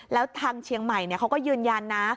แล้วทางเชียงใหม่เขาก็ยืนยันนะ